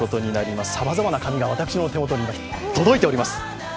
さまざまな紙が私の手元に届いています。